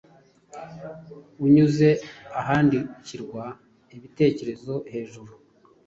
unyuze ahandikirwa ibitekerezo hejuru